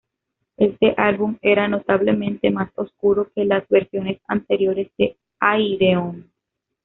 Este álbum era notablemente más oscuro que las versiones anteriores de Ayreon.